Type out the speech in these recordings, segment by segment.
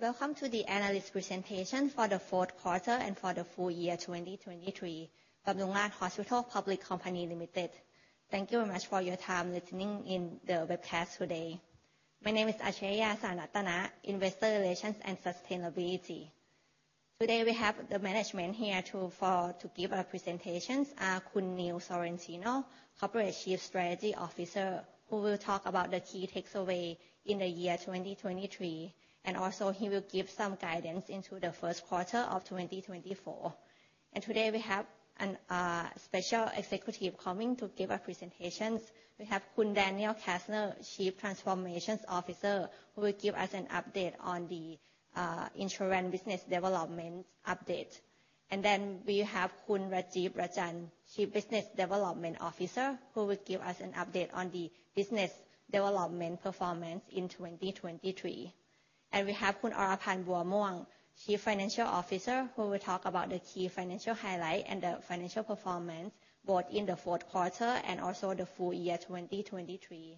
Welcome to the analyst presentation for the fourth quarter and for the full year 2023, Bumrungrad Hospital Public Company Limited. Thank you very much for your time listening in the webcast today. My name is Achiraya Sritratana, Investor Relations and Sustainability. Today we have the management here to give a presentation, Khun Neil Sorrentino, Corporate Chief Strategy Officer, who will talk about the key takeaways in the year 2023, and also he will give some guidance into the first quarter of 2024. Today we have a special executive coming to give a presentation. We have Khun Daniel Kastner, Chief Transformation Officer, who will give us an update on the insurance business development update. And then we have Khun Rajeev Rajan, Chief Business Development Officer, who will give us an update on the business development performance in 2023. We have Khun Oraphan Buamuang, Chief Financial Officer, who will talk about the key financial highlights and the financial performance, both in the fourth quarter and also the full year 2023.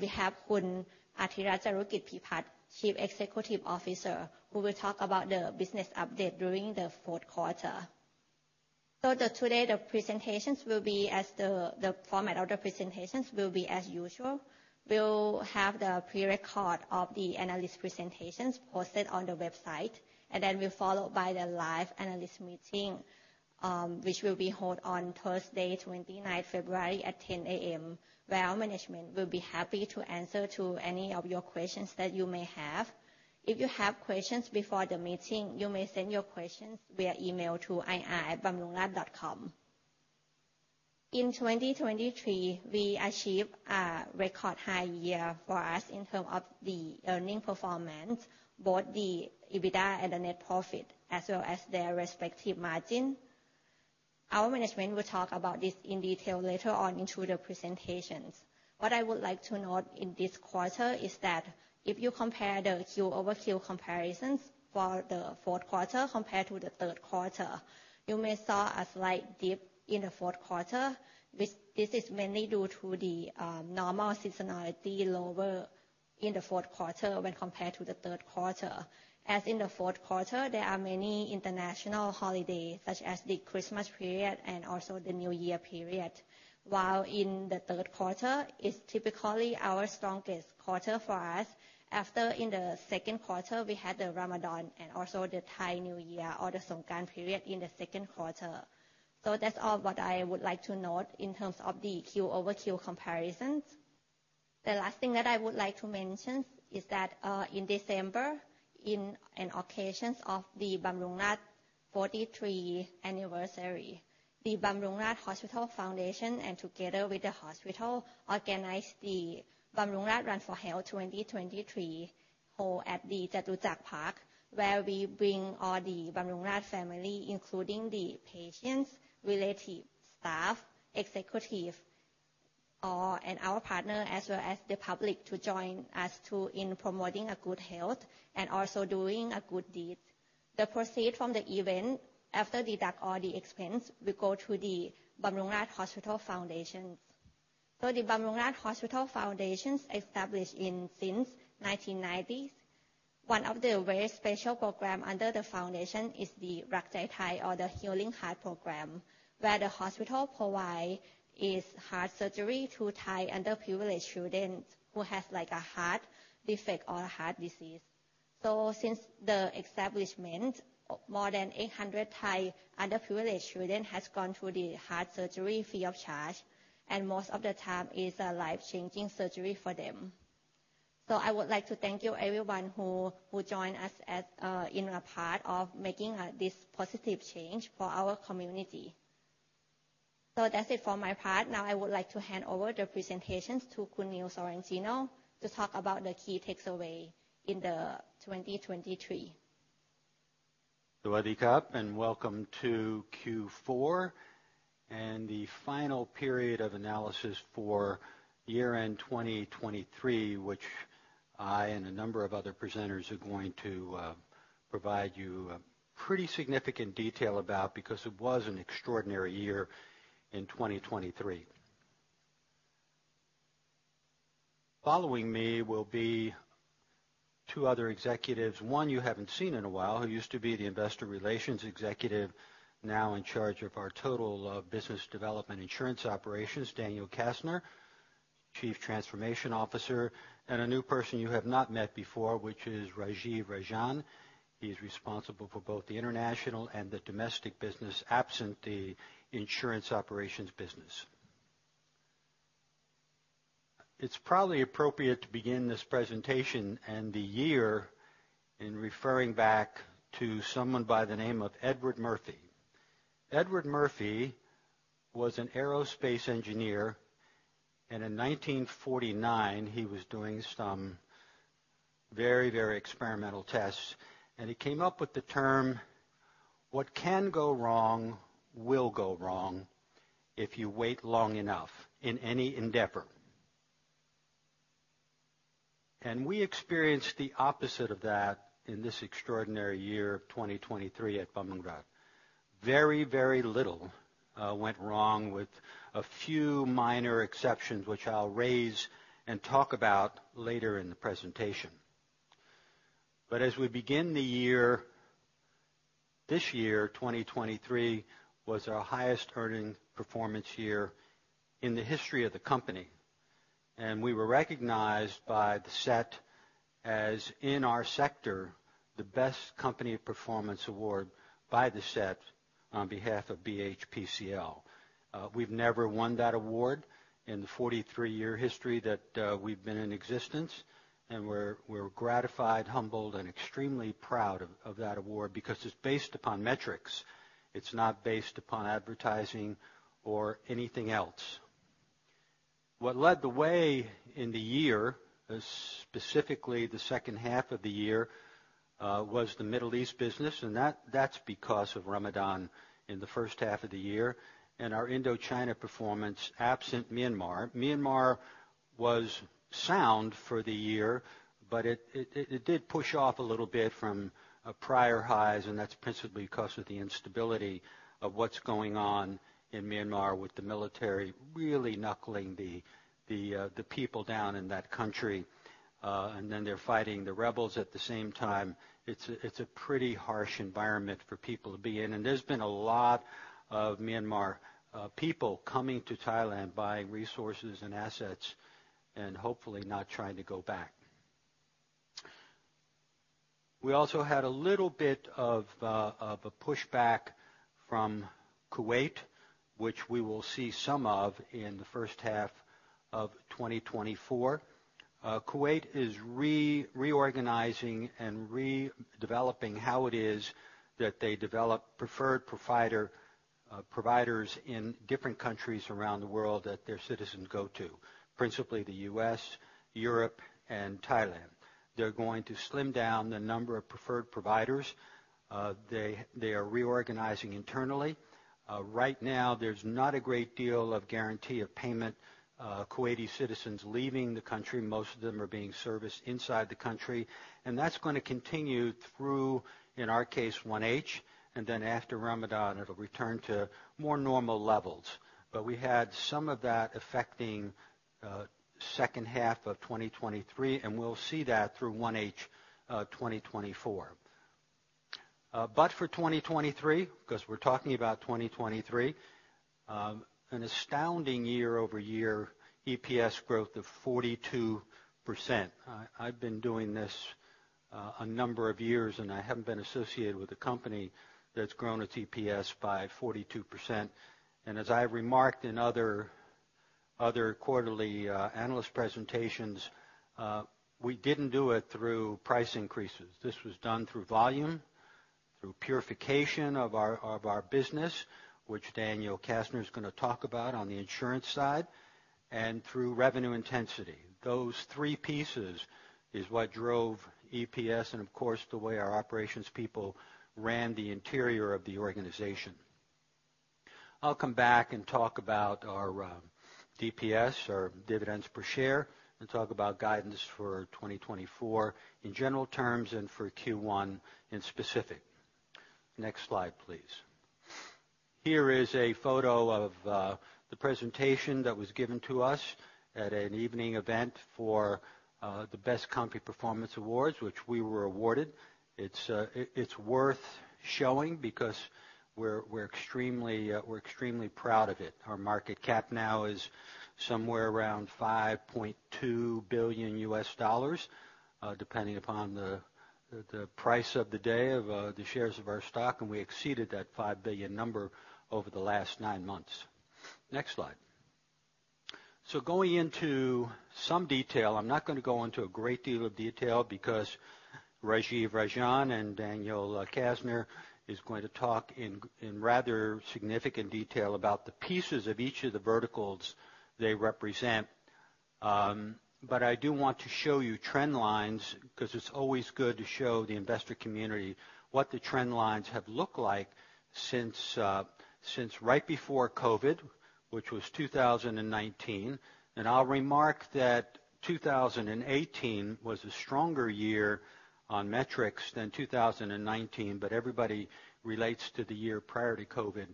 We have Khun Artirat Charukitpipat, Chief Executive Officer, who will talk about the business update during the fourth quarter. Today the presentations will be as the format of the presentations will be as usual. We'll have the prerecord of the analyst presentations posted on the website, and then we'll follow by the live analyst meeting, which will be held on Thursday, 29th February, at 10:00 A.M., where our management will be happy to answer any of your questions that you may have. If you have questions before the meeting, you may send your questions via email to ir@bumrungrad.com. In 2023, we achieved a record high year for us in terms of the earnings performance, both the EBITDA and the net profit, as well as their respective margin. Our management will talk about this in detail later on into the presentations. What I would like to note in this quarter is that if you compare the quarter-over-quarter comparisons for the fourth quarter compared to the third quarter, you may saw a slight dip in the fourth quarter, which this is mainly due to the normal seasonality lower in the fourth quarter when compared to the third quarter. As in the fourth quarter, there are many international holidays, such as the Christmas period and also the New Year period, while in the third quarter is typically our strongest quarter for us, after in the second quarter we had the Ramadan and also the Thai New Year or the Songkran period in the second quarter. So that's all what I would like to note in terms of the Q-over-Q comparisons. The last thing that I would like to mention is that, in December, on the occasion of the Bumrungrad 43 anniversary, the Bumrungrad Hospital Foundation, and together with the hospital, organized the Bumrungrad Run for Health 2023 at the Chatuchak Park, where we bring all the Bumrungrad family, including the patients, relatives, staff, executives, and our partner, as well as the public, to join us in promoting good health and also doing good deeds. The proceeds from the event, after deducting all the expenses, will go to the Bumrungrad Hospital Foundation. The Bumrungrad Hospital Foundation is established since the 1990s. One of the very special programs under the foundation is the Rak Jai Thai, or the Healing Heart Program, where the hospital provides heart surgery to Thai underprivileged students who have, like, a heart defect or a heart disease. Since the establishment, more than 800 Thai underprivileged students have gone through the heart surgery free of charge, and most of the time it's a life-changing surgery for them. I would like to thank you everyone who joined us as a part of making this positive change for our community. That's it from my part. Now I would like to hand over the presentations to Khun Neil Sorrentino to talk about the key takeaways in 2023. Sawadee Kap, and welcome to Q4 and the final period of analysis for year-end 2023, which I and a number of other presenters are going to provide you pretty significant detail about because it was an extraordinary year in 2023. Following me will be two other executives, one you haven't seen in a while, who used to be the Investor Relations Executive, now in charge of our total business development insurance operations, Daniel Kastner, Chief Transformation Officer, and a new person you have not met before, which is Rajeev Rajan. He is responsible for both the international and the domestic business, absent the insurance operations business. It's probably appropriate to begin this presentation and the year in referring back to someone by the name of Edward Murphy. Edward Murphy was an aerospace engineer, and in 1949 he was doing some very, very experimental tests, and he came up with the term, "What can go wrong will go wrong if you wait long enough in any endeavor." And we experienced the opposite of that in this extraordinary year of 2023 at Bumrungrad. Very, very little went wrong, with a few minor exceptions which I'll raise and talk about later in the presentation. But as we begin the year, this year, 2023, was our highest earning performance year in the history of the company, and we were recognized by the SET as, in our sector, the best company performance award by the SET on behalf of BHPCL. We've never won that award in the 43-year history that we've been in existence, and we're, we're gratified, humbled, and extremely proud of that award because it's based upon metrics. It's not based upon advertising or anything else. What led the way in the year, specifically the second half of the year, was the Middle East business, and that's because of Ramadan in the first half of the year, and our Indochina performance absent Myanmar. Myanmar was sound for the year, but it did push off a little bit from prior highs, and that's principally because of the instability of what's going on in Myanmar with the military really knuckling the people down in that country, and then they're fighting the rebels at the same time. It's a pretty harsh environment for people to be in, and there's been a lot of Myanmar people coming to Thailand, buying resources and assets, and hopefully not trying to go back. We also had a little bit of a pushback from Kuwait, which we will see some of in the first half of 2024. Kuwait is reorganizing and redeveloping how it is that they develop preferred providers in different countries around the world that their citizens go to, principally the U.S., Europe, and Thailand. They're going to slim down the number of preferred providers. They are reorganizing internally. Right now there's not a great deal of guarantee of payment, Kuwaiti citizens leaving the country. Most of them are being serviced inside the country, and that's going to continue through, in our case, 1H, and then after Ramadan it'll return to more normal levels. But we had some of that affecting second half of 2023, and we'll see that through 1H 2024. But for 2023, because we're talking about 2023, an astounding year-over-year EPS growth of 42%. I've been doing this a number of years, and I haven't been associated with a company that's grown its EPS by 42%. And as I've remarked in other quarterly analyst presentations, we didn't do it through price increases. This was done through volume, through purification of our business, which Daniel Kastner is going to talk about on the insurance side, and through revenue intensity. Those three pieces are what drove EPS and, of course, the way our operations people ran the interior of the organization. I'll come back and talk about our DPS, our dividends per share, and talk about guidance for 2024 in general terms and for Q1 in specific. Next slide, please. Here is a photo of the presentation that was given to us at an evening event for the Best Company Performance Awards, which we were awarded. It's worth showing because we're extremely proud of it. Our market cap now is somewhere around $5.2 billion, depending upon the price of the day, the shares of our stock, and we exceeded that $5 billion number over the last nine months. Next slide. So going into some detail, I'm not going to go into a great deal of detail because Rajeev Rajan and Daniel Kastner are going to talk in rather significant detail about the pieces of each of the verticals they represent. But I do want to show you trend lines because it's always good to show the investor community what the trend lines have looked like since right before COVID, which was 2019. And I'll remark that 2018 was a stronger year on metrics than 2019, but everybody relates to the year prior to COVID.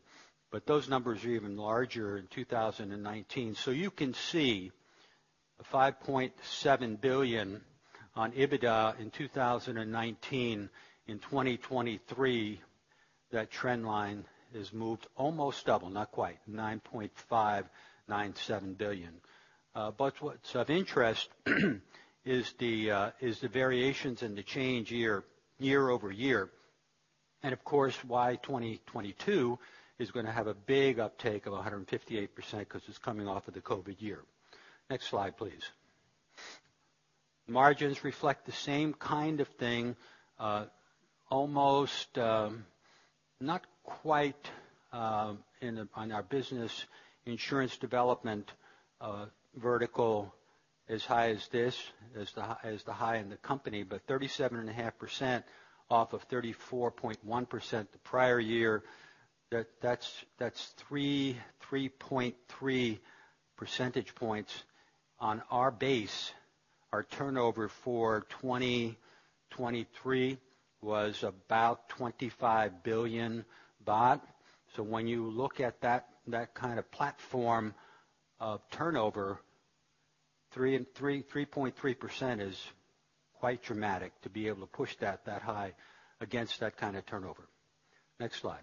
But those numbers are even larger in 2019. So you can see 5.7 billion on EBITDA in 2019. In 2023, that trend line has moved almost double, not quite, 9.597 billion. But what's of interest is the variations in the change year-over-year, and of course why 2022 is going to have a big uptake of 158% because it's coming off of the COVID year. Next slide, please. Margins reflect the same kind of thing, almost, not quite, in our business insurance development, vertical as high as this, as the high in the company, but 37.5% off of 34.1% the prior year. That's 3.3 percentage points. On our base, our turnover for 2023 was about 25 billion baht. So when you look at that kind of platform of turnover, 3.3% is quite dramatic to be able to push that high against that kind of turnover. Next slide.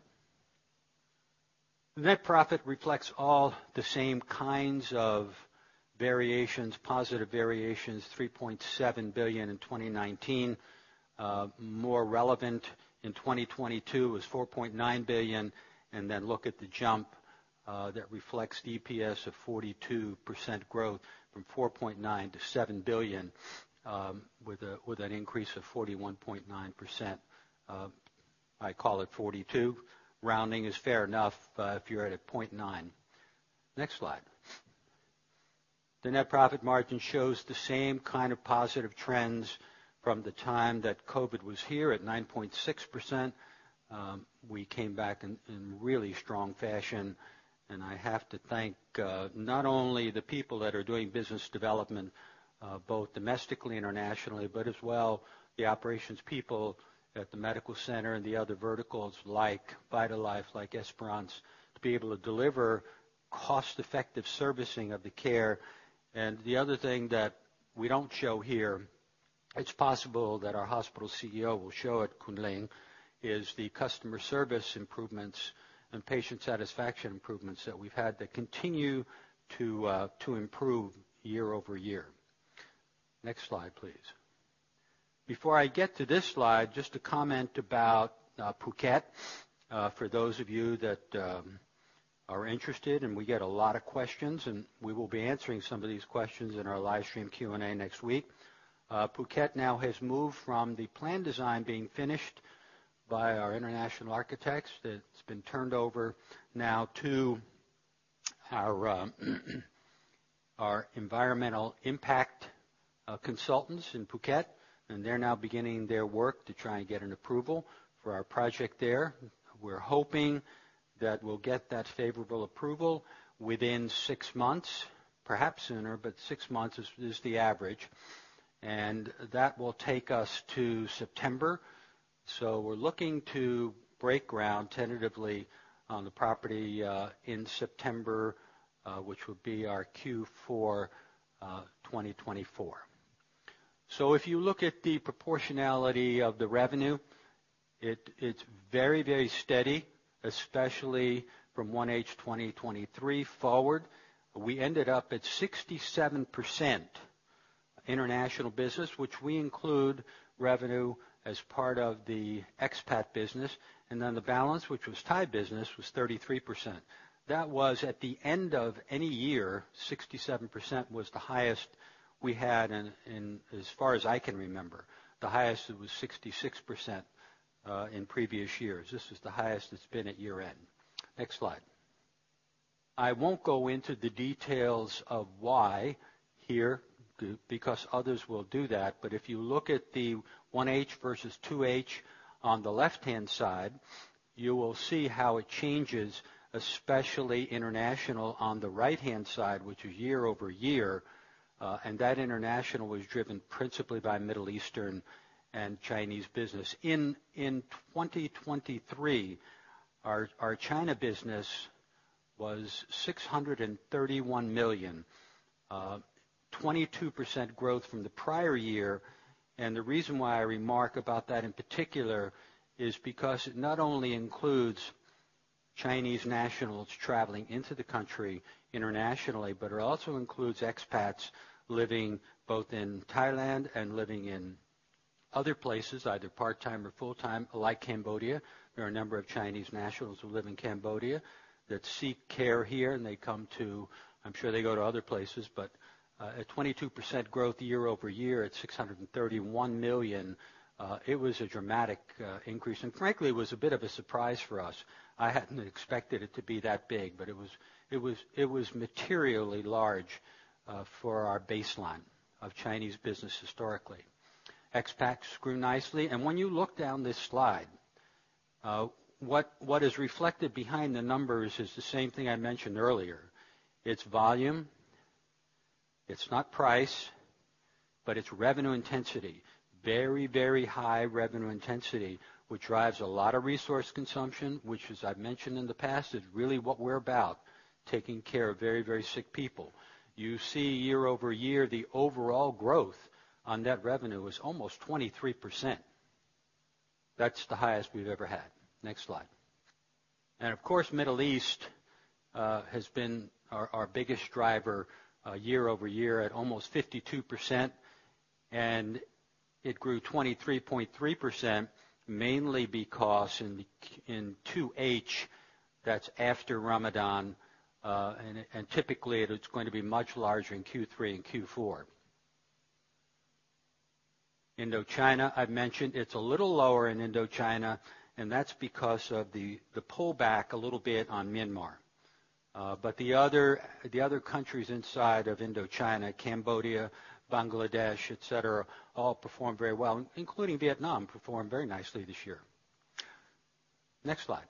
Net profit reflects all the same kinds of variations, positive variations, 3.7 billion in 2019. More relevant in 2022 was 4.9 billion, and then look at the jump, that reflects DPS of 42% growth from 4.9 billion to 7 billion, with an increase of 41.9%. I call it 42. Rounding is fair enough, if you're at a 0.9. Next slide. The net profit margin shows the same kind of positive trends from the time that COVID was here at 9.6%. We came back in really strong fashion, and I have to thank, not only the people that are doing business development, both domestically and internationally, but as well the operations people at the medical center and the other verticals like VitalLife, like Esperance, to be able to deliver cost-effective servicing of the care. The other thing that we don't show here, it's possible that our hospital CEO will show at [Kunling], is the customer service improvements and patient satisfaction improvements that we've had that continue to improve year-over-year. Next slide, please. Before I get to this slide, just a comment about Phuket for those of you that are interested. We get a lot of questions, and we will be answering some of these questions in our live stream Q&A next week. Phuket now has moved from the plan design being finished by our international architects. It's been turned over now to our environmental impact consultants in Phuket, and they're now beginning their work to try and get an approval for our project there. We're hoping that we'll get that favorable approval within six months, perhaps sooner, but six months is the average, and that will take us to September. So we're looking to break ground tentatively on the property, in September, which would be our Q4 2024. So if you look at the proportionality of the revenue, it's very, very steady, especially from 1H 2023 forward. We ended up at 67% international business, which we include revenue as part of the expat business, and then the balance, which was Thai business, was 33%. That was at the end of any year, 67% was the highest we had in, as far as I can remember. The highest was 66% in previous years. This is the highest it's been at year-end. Next slide. I won't go into the details of why here because others will do that, but if you look at the 1H versus 2H on the left-hand side, you will see how it changes, especially international on the right-hand side, which is year-over-year, and that international was driven principally by Middle Eastern and Chinese business. In 2023, our China business was 631 million, 22% growth from the prior year. The reason why I remark about that in particular is because it not only includes Chinese nationals traveling into the country internationally, but it also includes expats living both in Thailand and living in other places, either part-time or full-time, like Cambodia. There are a number of Chinese nationals who live in Cambodia that seek care here, and they come to. I'm sure they go to other places, but at 22% growth year-over-year at 631 million, it was a dramatic increase, and frankly, it was a bit of a surprise for us. I hadn't expected it to be that big, but it was, it was, it was materially large for our baseline of Chinese business historically. Expats grew nicely, and when you look down this slide, what is reflected behind the numbers is the same thing I mentioned earlier. It's volume. It's not price, but it's revenue intensity, very, very high revenue intensity, which drives a lot of resource consumption, which, as I've mentioned in the past, is really what we're about, taking care of very, very sick people. You see year-over-year the overall growth on net revenue is almost 23%. That's the highest we've ever had. Next slide. And of course, Middle East has been our biggest driver, year-over-year at almost 52%, and it grew 23.3% mainly because in 2H, that's after Ramadan, and typically it's going to be much larger in Q3 and Q4. Indochina, I've mentioned, it's a little lower in Indochina, and that's because of the pullback a little bit on Myanmar. But the other countries inside of Indochina, Cambodia, Bangladesh, et cetera, all performed very well, including Vietnam performed very nicely this year. Next slide.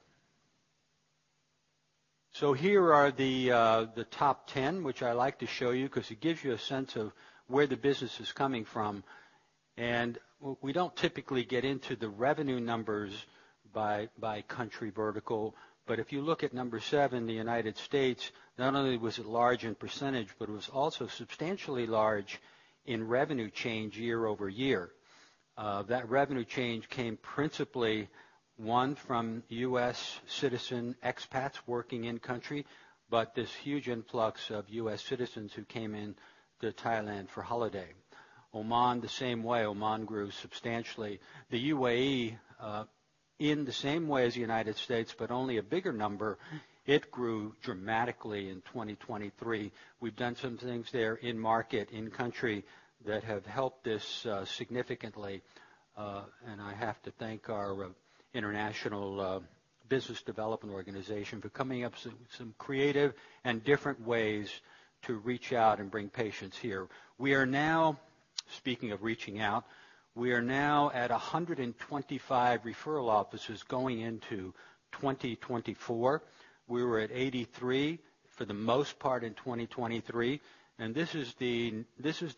So here are the top 10, which I like to show you because it gives you a sense of where the business is coming from. And we don't typically get into the revenue numbers by country vertical, but if you look at number 7, the United States, not only was it large in percentage, but it was also substantially large in revenue change year-over-year. That revenue change came principally, one, from U.S. citizen expats working in-country, but this huge influx of U.S. citizens who came into Thailand for holiday. Oman, the same way. Oman grew substantially. The UAE, in the same way as the United States, but only a bigger number, it grew dramatically in 2023. We've done some things there in market, in-country that have helped this, significantly, and I have to thank our, international, business development organization for coming up with some creative and different ways to reach out and bring patients here. We are now, speaking of reaching out, we are now at 125 referral offices going into 2024. We were at 83 for the most part in 2023, and this is the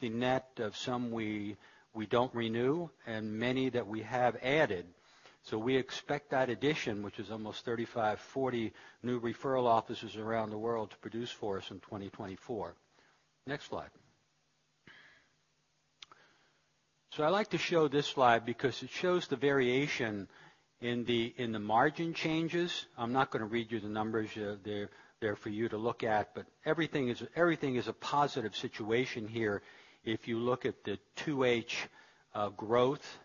net of some we don't renew and many that we have added. So we expect that addition, which is almost 35-40 new referral offices around the world, to produce for us in 2024. Next slide. So I like to show this slide because it shows the variation in the margin changes. I'm not going to read you the numbers there for you to look at, but everything is a positive situation here. If you look at the 2H growth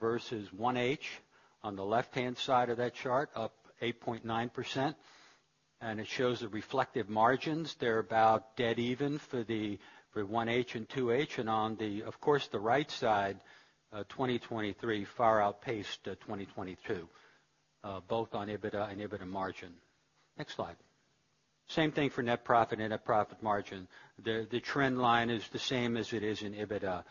versus 1H on the left-hand side of that chart, up 8.9%, and it shows the reflective margins. They're about dead even for the 1H and 2H, and on the, of course, the right side, 2023 far outpaced 2022, both on EBITDA and EBITDA margin. Next slide. Same thing for net profit and net profit margin. The trend line is the same as it is in EBITDA,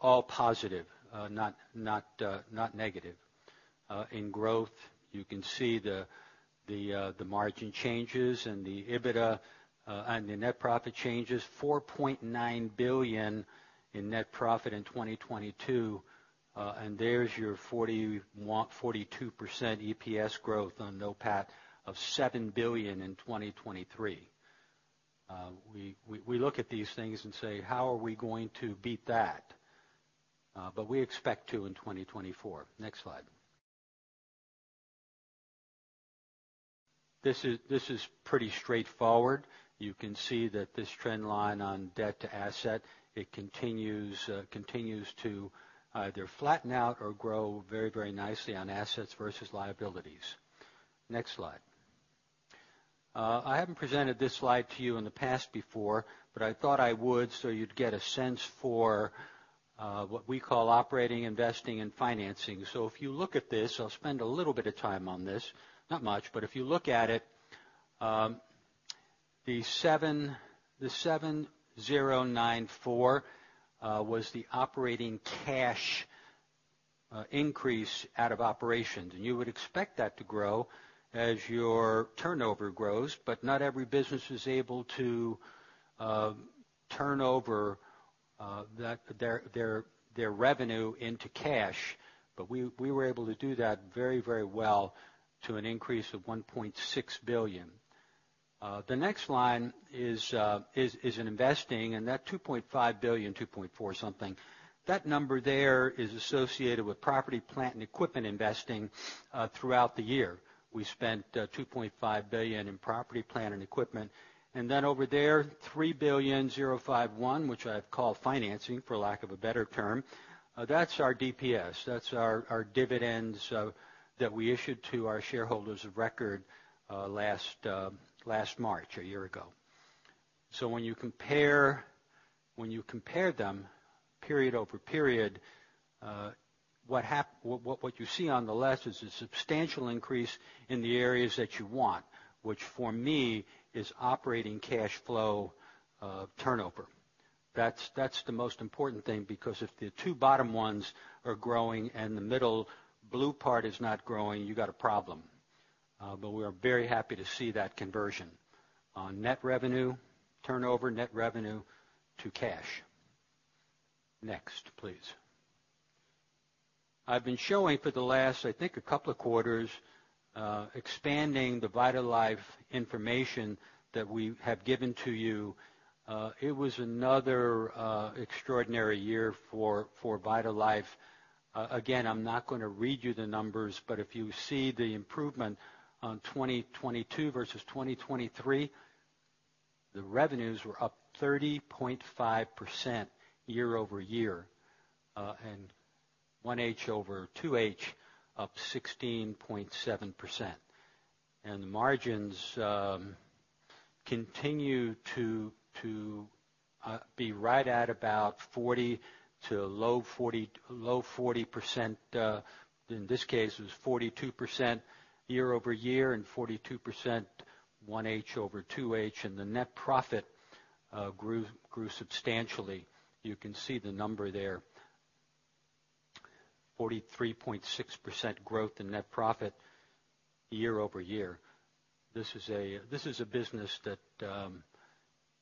all positive, not negative. In growth, you can see the margin changes and the EBITDA and the net profit changes, 4.9 billion in net profit in 2022, and there's your 42% EPS growth on NOPAT of 7 billion in 2023. We look at these things and say, how are we going to beat that? But we expect to in 2024. Next slide. This is pretty straightforward. You can see that this trend line on debt to asset, it continues to either flatten out or grow very, very nicely on assets versus liabilities. Next slide. I haven't presented this slide to you in the past before, but I thought I would so you'd get a sense for what we call operating, investing, and financing. So if you look at this, I'll spend a little bit of time on this, not much, but if you look at it, the 7,094 was the operating cash increase out of operations, and you would expect that to grow as your turnover grows, but not every business is able to turn over their revenue into cash. But we were able to do that very, very well to an increase of 1.6 billion. The next line is in investing, and that 2.5 billion, 2.4-something, that number there is associated with property, plant, and equipment investing throughout the year. We spent 2.5 billion in property, plant, and equipment. And then over there, 3,051, which I've called financing for lack of a better term, that's our DPS. That's our dividends that we issued to our shareholders of record last March, a year ago. So when you compare them, period over period, what you see on the left is a substantial increase in the areas that you want, which for me is operating cash flow turnover. That's the most important thing because if the two bottom ones are growing and the middle blue part is not growing, you've got a problem. But we are very happy to see that conversion on net revenue, turnover, net revenue to cash. Next, please. I've been showing for the last, I think, a couple of quarters expanding the VitalLife information that we have given to you. It was another extraordinary year for VitalLife. Again, I'm not going to read you the numbers, but if you see the improvement on 2022 versus 2023, the revenues were up 30.5% year-over-year, and 1H over 2H up 16.7%. The margins continue to be right at about 40%-low 40%. In this case, it was 42% year-over-year and 42% 1H-over-2H, and the net profit grew substantially. You can see the number there, 43.6% growth in net profit year-over-year. This is a business that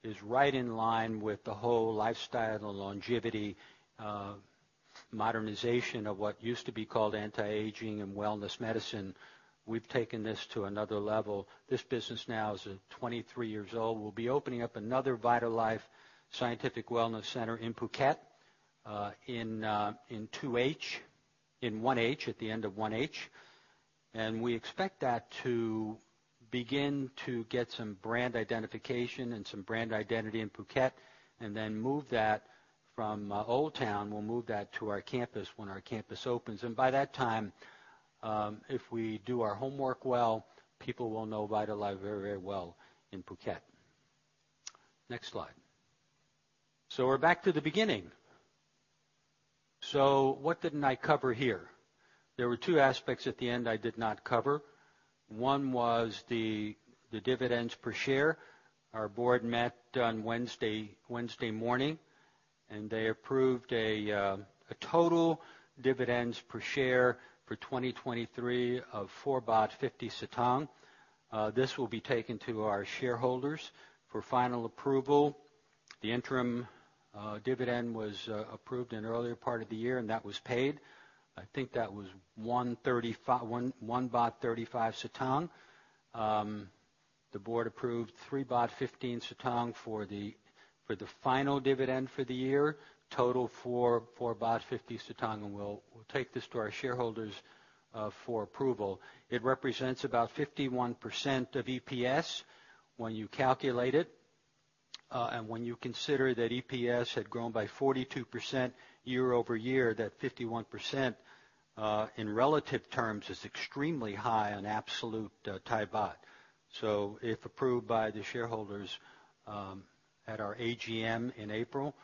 is right in line with the whole lifestyle and longevity modernization of what used to be called anti-aging and wellness medicine. We've taken this to another level. This business now is 23 years old. We'll be opening up another VitalLife Scientific Wellness Center in Phuket in 2H, in 1H, at the end of 1H, and we expect that to begin to get some brand identification and some brand identity in Phuket, and then move that from Old Town. We'll move that to our campus when our campus opens, and by that time, if we do our homework well, people will know VitalLife very, very well in Phuket. Next slide. So we're back to the beginning. So what didn't I cover here? There were two aspects at the end I did not cover. One was the dividends per share. Our board met on Wednesday morning, and they approved a total dividends per share for 2023 of 4.50 baht. This will be taken to our shareholders for final approval. The interim dividend was approved in an earlier part of the year, and that was paid. I think that was 1.35 baht. The board approved 3.15 baht for the final dividend for the year, total 4.50 baht, and we'll take this to our shareholders for approval. It represents about 51% of EPS when you calculate it, and when you consider that EPS had grown by 42% year-over-year, that 51% in relative terms is extremely high on absolute Thai baht. So if approved by the shareholders at our AGM in April,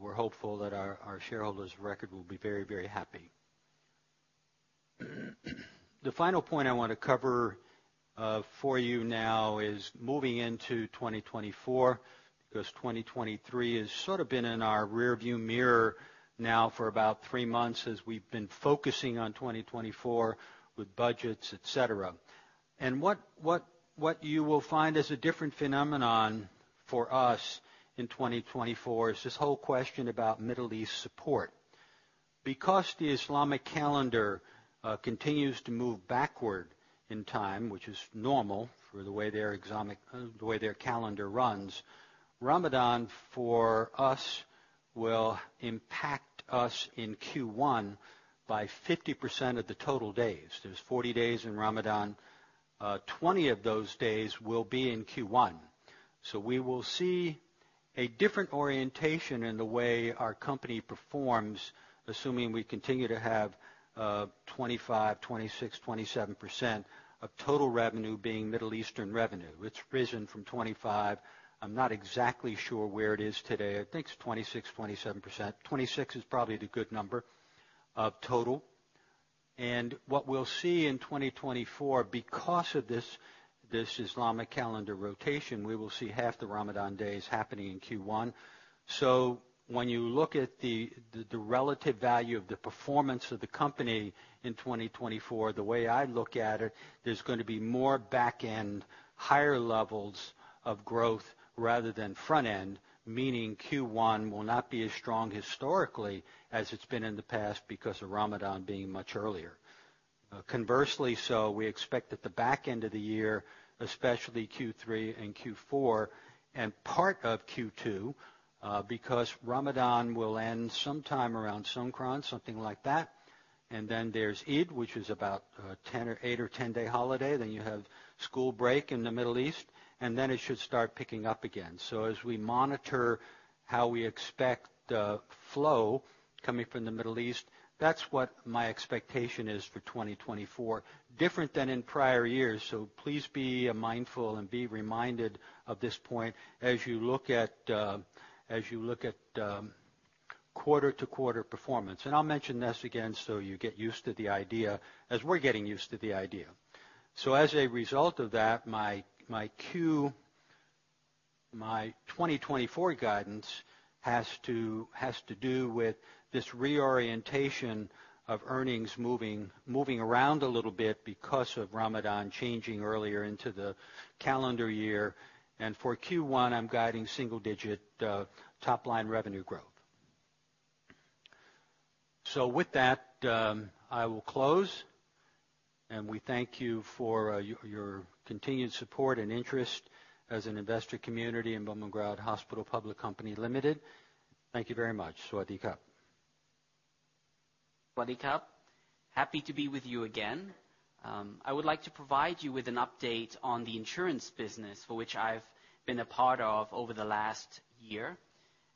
we're hopeful that our shareholders' record will be very, very happy. The final point I want to cover for you now is moving into 2024 because 2023 has sort of been in our rearview mirror now for about three months as we've been focusing on 2024 with budgets, et cetera. And what you will find as a different phenomenon for us in 2024 is this whole question about Middle East support. Because the Islamic calendar continues to move backward in time, which is normal for the way their calendar runs, Ramadan for us will impact us in Q1 by 50% of the total days. There's 40 days in Ramadan. 20 of those days will be in Q1. So we will see a different orientation in the way our company performs, assuming we continue to have 25%, 26%, 27% of total revenue being Middle Eastern revenue. It's risen from 25%. I'm not exactly sure where it is today. I think it's 26%, 27%. 26 is probably the good number of total. And what we'll see in 2024 because of this Islamic calendar rotation, we will see half the Ramadan days happening in Q1. So when you look at the relative value of the performance of the company in 2024, the way I look at it, there's going to be more back-end, higher levels of growth rather than front-end, meaning Q1 will not be as strong historically as it's been in the past because of Ramadan being much earlier. Conversely, so we expect that the back end of the year, especially Q3 and Q4 and part of Q2, because Ramadan will end sometime around Songkran, something like that, and then there's Eid, which is about an 8-10-day holiday. Then you have school break in the Middle East, and then it should start picking up again. So as we monitor how we expect the flow coming from the Middle East, that's what my expectation is for 2024, different than in prior years. So please be mindful and be reminded of this point as you look at quarter-to-quarter performance. And I'll mention this again so you get used to the idea, as we're getting used to the idea. So as a result of that, my 2024 guidance has to do with this reorientation of earnings moving around a little bit because of Ramadan changing earlier into the calendar year. For Q1, I'm guiding single-digit top-line revenue growth. With that, I will close, and we thank you for your continued support and interest as an investor community in Bumrungrad Hospital Public Company Limited. Thank you very much. Swadee khap. Swadee khap. Happy to be with you again. I would like to provide you with an update on the insurance business for which I've been a part of over the last year.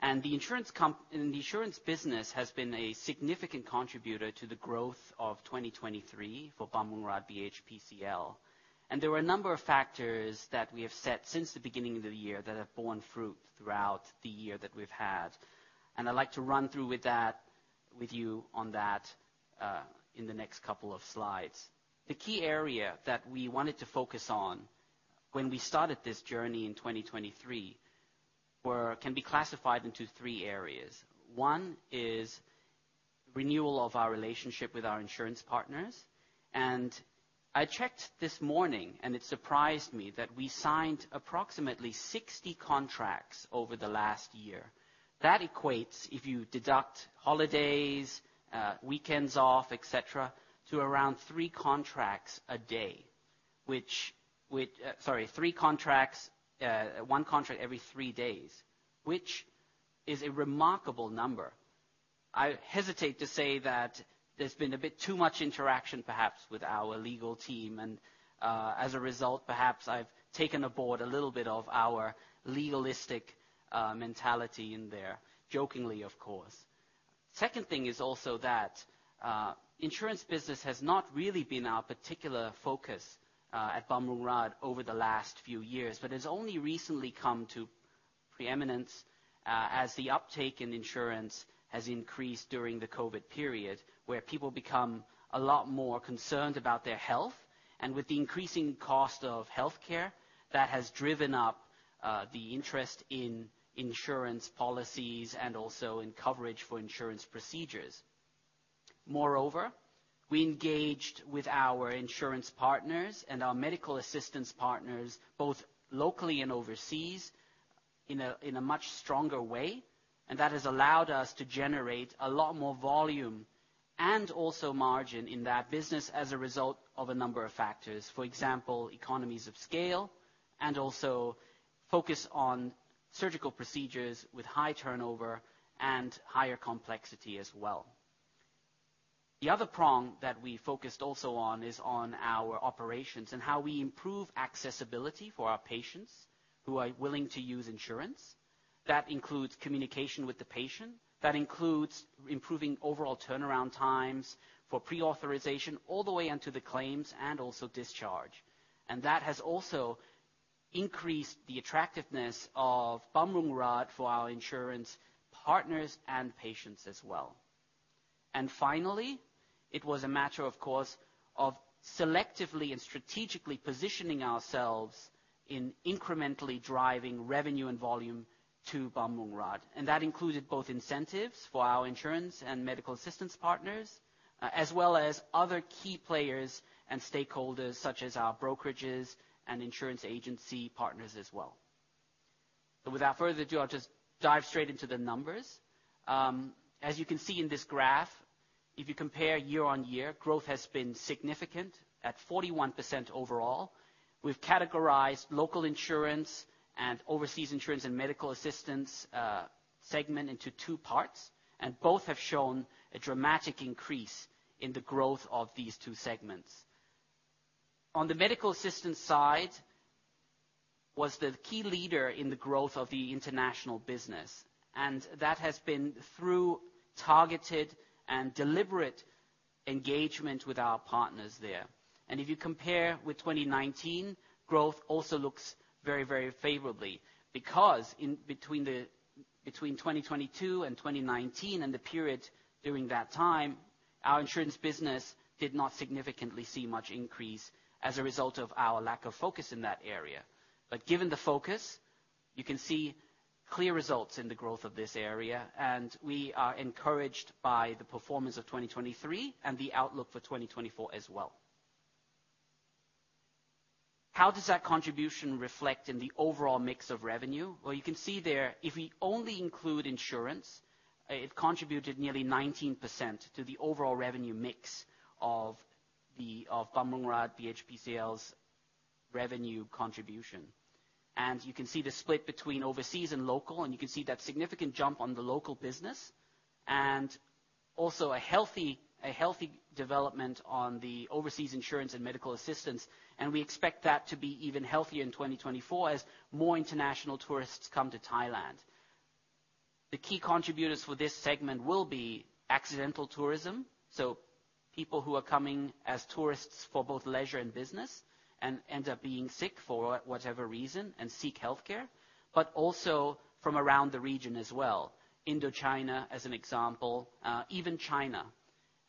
The insurance business has been a significant contributor to the growth of 2023 for Bumrungrad BH PCL. There were a number of factors that we have set since the beginning of the year that have borne fruit throughout the year that we've had, and I'd like to run through with you on that in the next couple of slides. The key area that we wanted to focus on when we started this journey in 2023 can be classified into three areas. One is renewal of our relationship with our insurance partners. I checked this morning, and it surprised me that we signed approximately 60 contracts over the last year. That equates, if you deduct holidays, weekends off, et cetera, to around three contracts a day, which sorry, three contracts, one contract every three days, which is a remarkable number. I hesitate to say that there's been a bit too much interaction, perhaps, with our legal team, and as a result, perhaps, I've taken aboard a little bit of our legalistic mentality in there, jokingly, of course. Second thing is also that insurance business has not really been our particular focus at Bumrungrad over the last few years, but it's only recently come to preeminence as the uptake in insurance has increased during the COVID period, where people become a lot more concerned about their health. And with the increasing cost of health care, that has driven up the interest in insurance policies and also in coverage for insurance procedures. Moreover, we engaged with our insurance partners and our medical assistance partners, both locally and overseas, in a much stronger way, and that has allowed us to generate a lot more volume and also margin in that business as a result of a number of factors, for example, economies of scale and also focus on surgical procedures with high turnover and higher complexity as well. The other prong that we focused also on is on our operations and how we improve accessibility for our patients who are willing to use insurance. That includes communication with the patient. That includes improving overall turnaround times for pre-authorization all the way into the claims and also discharge. That has also increased the attractiveness of Bumrungrad for our insurance partners and patients as well. Finally, it was a matter, of course, of selectively and strategically positioning ourselves in incrementally driving revenue and volume to Bumrungrad. That included both incentives for our insurance and medical assistance partners, as well as other key players and stakeholders such as our brokerages and insurance agency partners as well. Without further ado, I'll just dive straight into the numbers. As you can see in this graph, if you compare year-on-year, growth has been significant at 41% overall. We've categorized local insurance and overseas insurance and medical assistance segment into two parts, and both have shown a dramatic increase in the growth of these two segments. On the medical assistance side was the key leader in the growth of the international business, and that has been through targeted and deliberate engagement with our partners there. If you compare with 2019, growth also looks very, very favorably because between 2022 and 2019 and the period during that time, our insurance business did not significantly see much increase as a result of our lack of focus in that area. Given the focus, you can see clear results in the growth of this area, and we are encouraged by the performance of 2023 and the outlook for 2024 as well. How does that contribution reflect in the overall mix of revenue? Well, you can see there, if we only include insurance, it contributed nearly 19% to the overall revenue mix of Bumrungrad Hospital PCL's revenue contribution. You can see the split between overseas and local, and you can see that significant jump on the local business and also a healthy development on the overseas insurance and medical assistance. We expect that to be even healthier in 2024 as more international tourists come to Thailand. The key contributors for this segment will be accidental tourism, so people who are coming as tourists for both leisure and business and end up being sick for whatever reason and seek health care, but also from around the region as well, Indochina as an example, even China.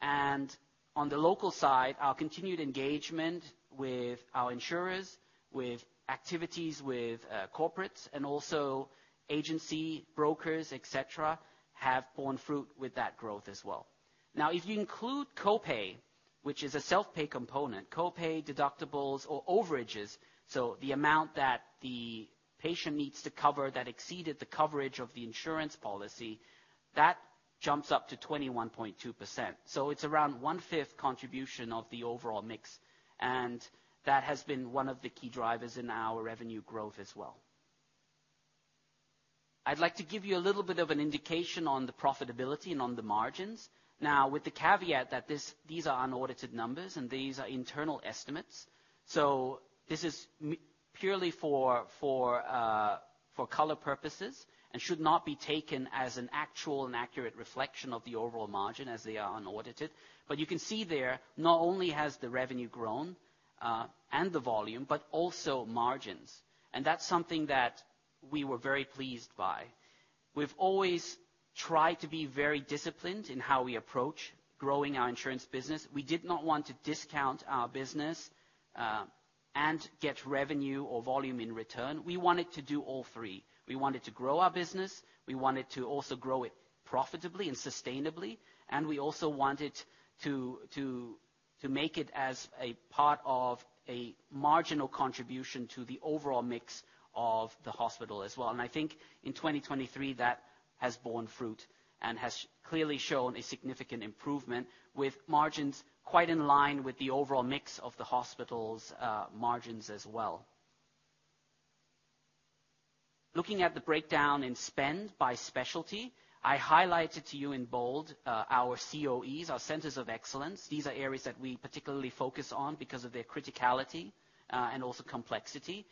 On the local side, our continued engagement with our insurers, with activities with corporates and also agency brokers, et cetera, have borne fruit with that growth as well. Now, if you include copay, which is a self-pay component, copay, deductibles, or overages, so the amount that the patient needs to cover that exceeded the coverage of the insurance policy, that jumps up to 21.2%. So it's around one-fifth contribution of the overall mix, and that has been one of the key drivers in our revenue growth as well. I'd like to give you a little bit of an indication on the profitability and on the margins. Now, with the caveat that these are unaudited numbers and these are internal estimates, so this is purely for color purposes and should not be taken as an actual and accurate reflection of the overall margin as they are unaudited. But you can see there, not only has the revenue grown and the volume, but also margins, and that's something that we were very pleased by. We've always tried to be very disciplined in how we approach growing our insurance business. We did not want to discount our business and get revenue or volume in return. We wanted to do all three. We wanted to grow our business. We wanted to also grow it profitably and sustainably, and we also wanted to make it as a part of a marginal contribution to the overall mix of the hospital as well. I think in 2023, that has borne fruit and has clearly shown a significant improvement with margins quite in line with the overall mix of the hospital's margins as well. Looking at the breakdown in spend by specialty, I highlighted to you in bold our COEs, our centers of excellence. These are areas that we particularly focus on because of their criticality and also complexity.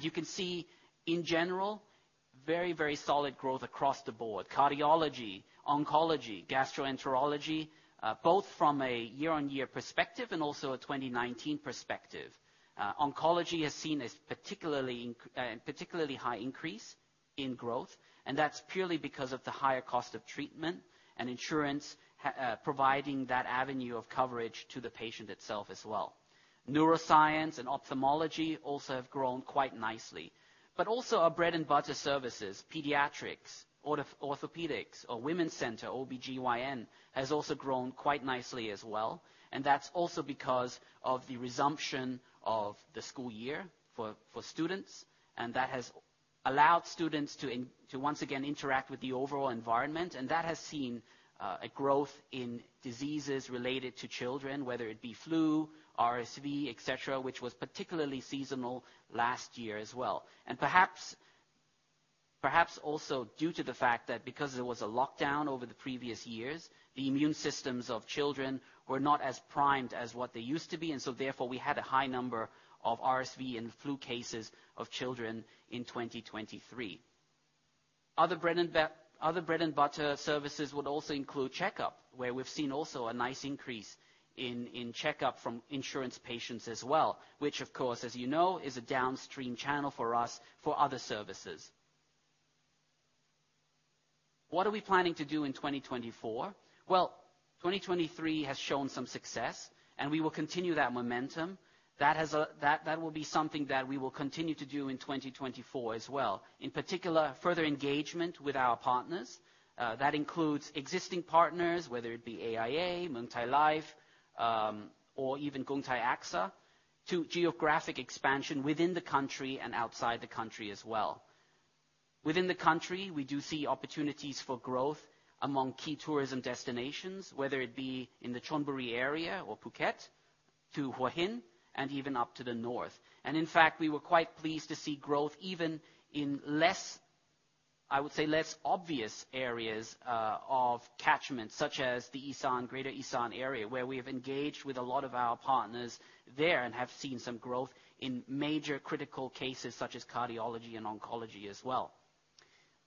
You can see, in general, very, very solid growth across the board: cardiology, oncology, gastroenterology, both from a year-on-year perspective and also a 2019 perspective. Oncology has seen a particularly high increase in growth, and that's purely because of the higher cost of treatment and insurance providing that avenue of coverage to the patient itself as well. Neuroscience and ophthalmology also have grown quite nicely. Also our bread-and-butter services, pediatrics, orthopedics, or women's center, OBGYN, has also grown quite nicely as well, and that's also because of the resumption of the school year for students, and that has allowed students to once again interact with the overall environment. That has seen a growth in diseases related to children, whether it be flu, RSV, et cetera, which was particularly seasonal last year as well. Perhaps also due to the fact that because there was a lockdown over the previous years, the immune systems of children were not as primed as what they used to be, and so therefore, we had a high number of RSV and flu cases of children in 2023. Other bread-and-butter services would also include checkup, where we've seen also a nice increase in checkup from insurance patients as well, which, of course, as you know, is a downstream channel for us for other services. What are we planning to do in 2024? Well, 2023 has shown some success, and we will continue that momentum. That will be something that we will continue to do in 2024 as well, in particular, further engagement with our partners. That includes existing partners, whether it be AIA, Muang Thai Life, or even Krungthai-AXA, to geographic expansion within the country and outside the country as well. Within the country, we do see opportunities for growth among key tourism destinations, whether it be in the Chonburi area or Phuket to Hua Hin and even up to the north. And in fact, we were quite pleased to see growth even in, I would say, less obvious areas of catchment, such as the Isan, Greater Isan area, where we have engaged with a lot of our partners there and have seen some growth in major critical cases such as cardiology and oncology as well.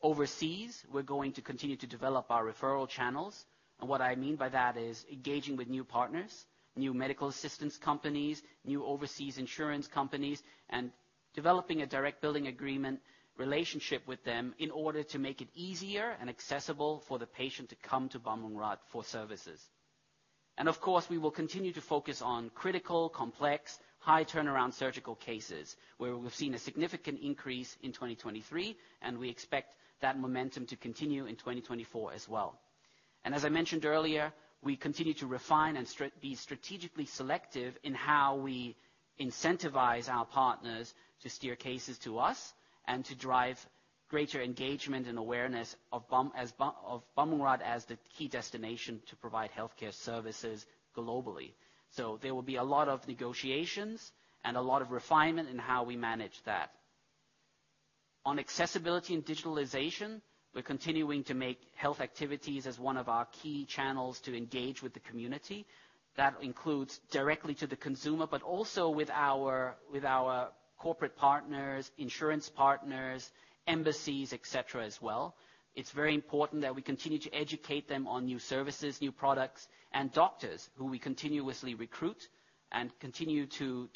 Overseas, we're going to continue to develop our referral channels, and what I mean by that is engaging with new partners, new medical assistance companies, new overseas insurance companies, and developing a direct billing agreement relationship with them in order to make it easier and accessible for the patient to come to Bumrungrad for services. Of course, we will continue to focus on critical, complex, high turnaround surgical cases, where we've seen a significant increase in 2023, and we expect that momentum to continue in 2024 as well. As I mentioned earlier, we continue to refine and be strategically selective in how we incentivize our partners to steer cases to us and to drive greater engagement and awareness of Bumrungrad as the key destination to provide health care services globally. There will be a lot of negotiations and a lot of refinement in how we manage that. On accessibility and digitalization, we're continuing to make health activities as one of our key channels to engage with the community. That includes directly to the consumer, but also with our corporate partners, insurance partners, embassies, et cetera, as well. It's very important that we continue to educate them on new services, new products, and doctors who we continuously recruit and continue to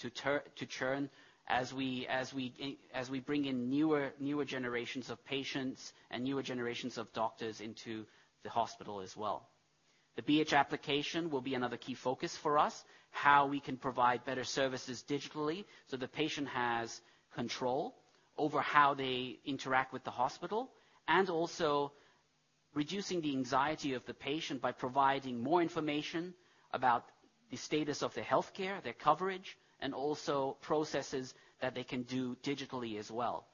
churn as we bring in newer generations of patients and newer generations of doctors into the hospital as well. The BH Application will be another key focus for us, how we can provide better services digitally so the patient has control over how they interact with the hospital, and also reducing the anxiety of the patient by providing more information about the status of their health care, their coverage, and also processes that they can do digitally as well.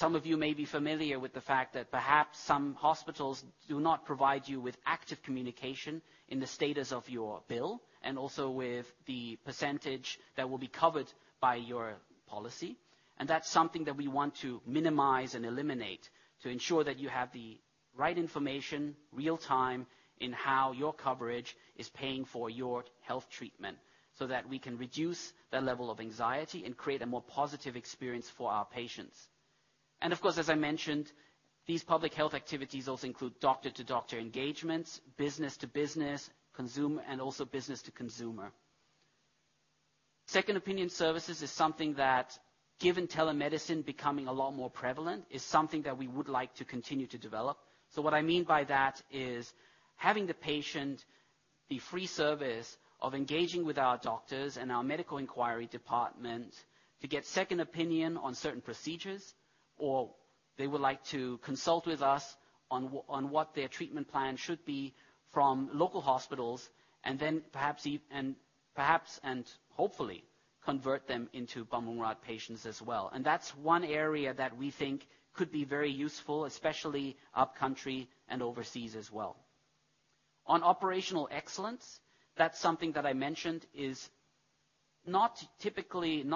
Some of you may be familiar with the fact that perhaps some hospitals do not provide you with active communication in the status of your bill and also with the percentage that will be covered by your policy, and that's something that we want to minimize and eliminate to ensure that you have the right information real-time in how your coverage is paying for your health treatment so that we can reduce that level of anxiety and create a more positive experience for our patients. Of course, as I mentioned, these public health activities also include doctor-to-doctor engagements, business-to-business, and also business-to-consumer. Second opinion services is something that, given telemedicine becoming a lot more prevalent, is something that we would like to continue to develop. So what I mean by that is having the patient the free service of engaging with our doctors and our medical inquiry department to get second opinion on certain procedures, or they would like to consult with us on what their treatment plan should be from local hospitals and perhaps and hopefully convert them into Bumrungrad patients as well. And that's one area that we think could be very useful, especially upcountry and overseas as well. On operational excellence, that's something that I mentioned is not typically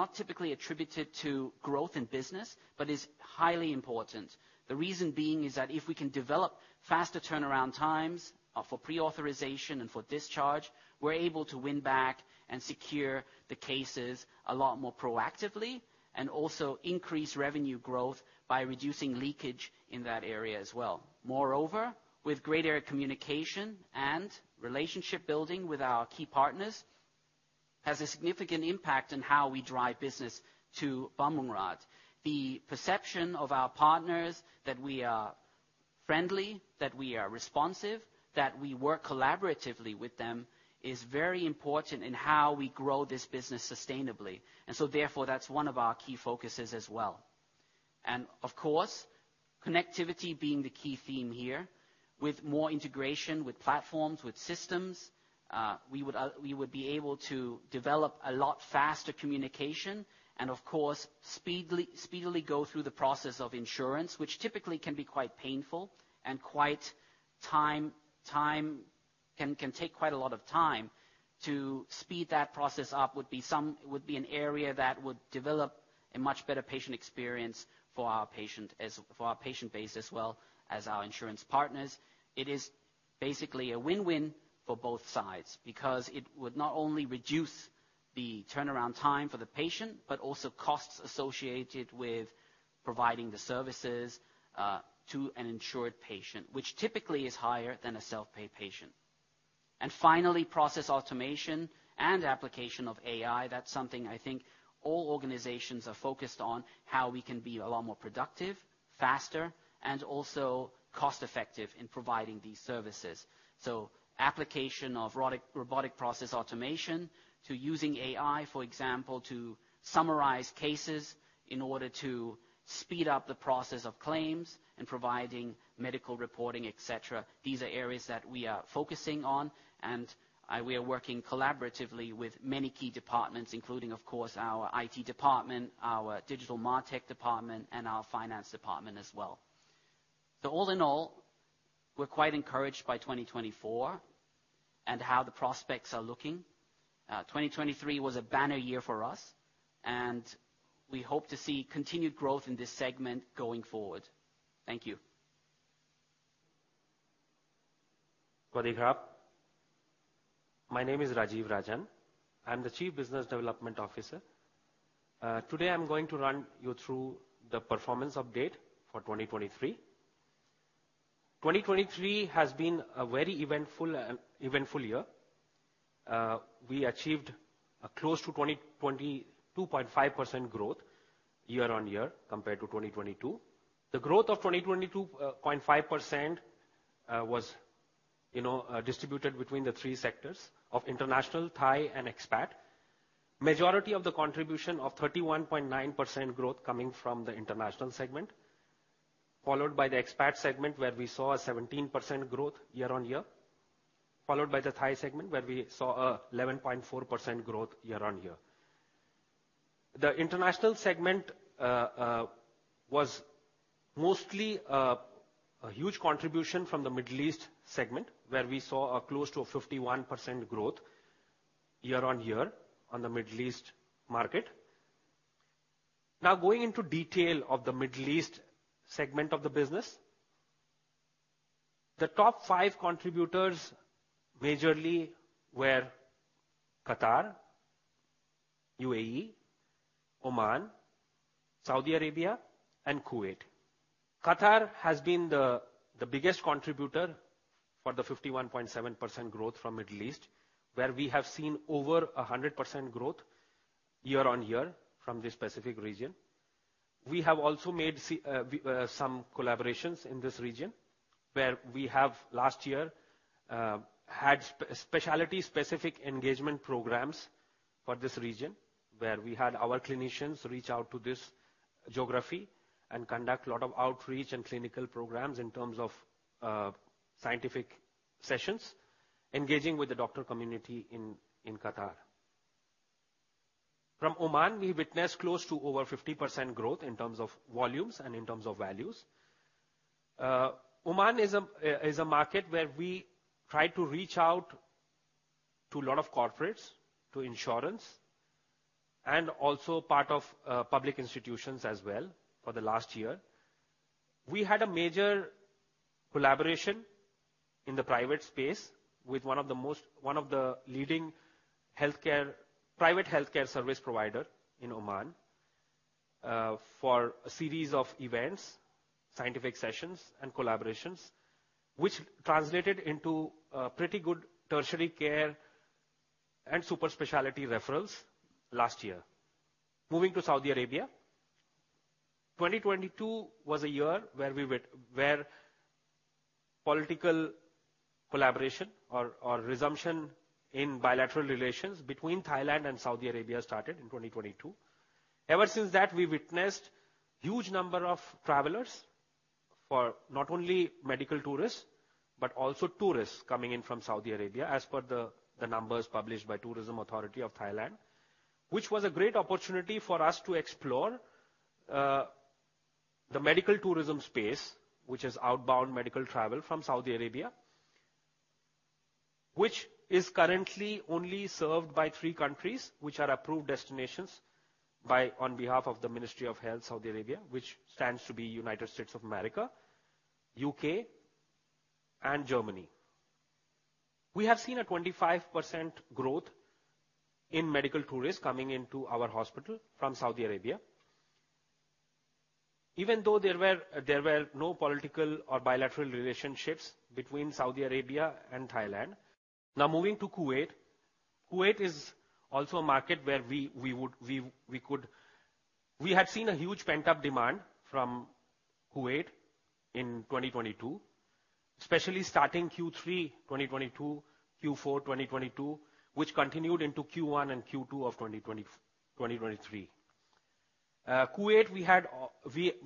attributed to growth in business but is highly important. The reason being is that if we can develop faster turnaround times for pre-authorization and for discharge, we're able to win back and secure the cases a lot more proactively and also increase revenue growth by reducing leakage in that area as well. Moreover, with greater communication and relationship building with our key partners, it has a significant impact on how we drive business to Bumrungrad. The perception of our partners that we are friendly, that we are responsive, that we work collaboratively with them is very important in how we grow this business sustainably, and so therefore, that's one of our key focuses as well. Of course, connectivity being the key theme here. With more integration with platforms, with systems, we would be able to develop a lot faster communication and, of course, speedily go through the process of insurance, which typically can be quite painful and quite time can take quite a lot of time. To speed that process up would be an area that would develop a much better patient experience for our patient base as well as our insurance partners. It is basically a win-win for both sides because it would not only reduce the turnaround time for the patient but also costs associated with providing the services to an insured patient, which typically is higher than a self-pay patient. And finally, process automation and application of AI, that's something I think all organizations are focused on, how we can be a lot more productive, faster, and also cost-effective in providing these services. So application of robotic process automation to using AI, for example, to summarize cases in order to speed up the process of claims and providing medical reporting, et cetera. These are areas that we are focusing on, and we are working collaboratively with many key departments, including, of course, our IT department, our Digital MarTech department, and our finance department as well. So all in all, we're quite encouraged by 2024 and how the prospects are looking. 2023 was a banner year for us, and we hope to see continued growth in this segment going forward. Thank you. Swadee khap. My name is Rajeev Rajan. I'm the Chief Business Development Officer. Today, I'm going to run you through the performance update for 2023. 2023 has been a very eventful year. We achieved close to 22.5% growth year-on-year compared to 2022. The growth of 22.5% was distributed between the three sectors of international, Thai, and expat. Majority of the contribution of 31.9% growth coming from the international segment, followed by the expat segment where we saw a 17% growth year-on-year, followed by the Thai segment where we saw a 11.4% growth year-on-year. The international segment was mostly a huge contribution from the Middle East segment where we saw close to 51% growth year-on-year on the Middle East market. Now, going into detail of the Middle East segment of the business, the top five contributors majorly were Qatar, UAE, Oman, Saudi Arabia, and Kuwait. Qatar has been the biggest contributor for the 51.7% growth from the Middle East, where we have seen over 100% growth year-on-year from this specific region. We have also made some collaborations in this region where we have, last year, had specialty-specific engagement programs for this region where we had our clinicians reach out to this geography and conduct a lot of outreach and clinical programs in terms of scientific sessions, engaging with the doctor community in Qatar. From Oman, we witnessed close to over 50% growth in terms of volumes and in terms of values. Oman is a market where we tried to reach out to a lot of corporates, to insurance, and also part of public institutions as well for the last year. We had a major collaboration in the private space with one of the leading private health care service providers in Oman for a series of events, scientific sessions, and collaborations, which translated into pretty good tertiary care and super specialty referrals last year. Moving to Saudi Arabia, 2022 was a year where political collaboration or resumption in bilateral relations between Thailand and Saudi Arabia started in 2022. Ever since that, we witnessed a huge number of travelers for not only medical tourists but also tourists coming in from Saudi Arabia, as per the numbers published by the Tourism Authority of Thailand, which was a great opportunity for us to explore the medical tourism space, which is outbound medical travel from Saudi Arabia, which is currently only served by three countries which are approved destinations on behalf of the Ministry of Health, Saudi Arabia, which stands to be the United States of America, U.K., and Germany. We have seen a 25% growth in medical tourists coming into our hospital from Saudi Arabia, even though there were no political or bilateral relationships between Saudi Arabia and Thailand. Now, moving to Kuwait, Kuwait is also a market where we had seen a huge pent-up demand from Kuwait in 2022, especially starting Q3 2022, Q4 2022, which continued into Q1 and Q2 of 2023. Kuwait,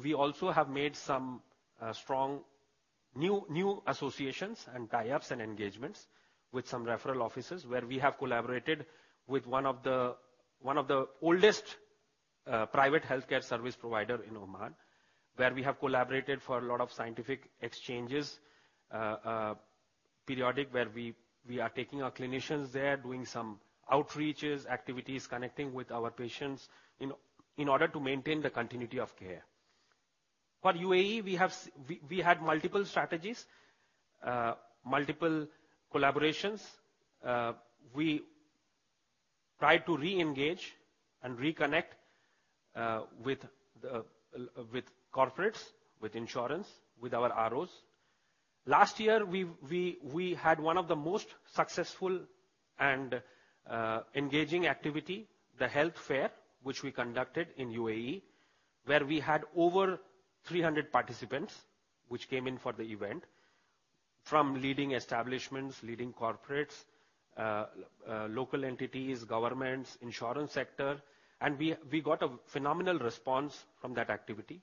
we also have made some strong new associations and tie-ups and engagements with some referral offices where we have collaborated with one of the oldest private health care service providers in Oman, where we have collaborated for a lot of scientific exchanges, periodic, where we are taking our clinicians there, doing some outreaches, activities, connecting with our patients in order to maintain the continuity of care. For UAE, we had multiple strategies, multiple collaborations. We tried to re-engage and reconnect with corporates, with insurance, with our ROs. Last year, we had one of the most successful and engaging activities, the health fair, which we conducted in UAE, where we had over 300 participants which came in for the event from leading establishments, leading corporates, local entities, governments, insurance sector, and we got a phenomenal response from that activity.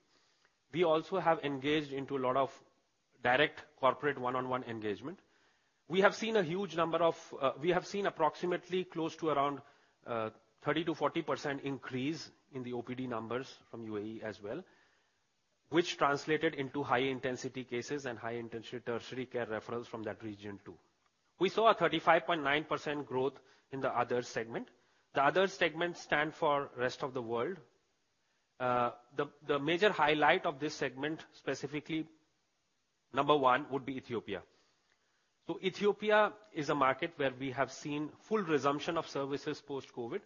We also have engaged into a lot of direct corporate one-on-one engagement. We have seen approximately close to around 30%-40% increase in the OPD numbers from UAE as well, which translated into high-intensity cases and high-intensity tertiary care referrals from that region too. We saw a 35.9% growth in the other segment. The other segments stand for the rest of the world. The major highlight of this segment, specifically, number one, would be Ethiopia. Ethiopia is a market where we have seen full resumption of services post-COVID,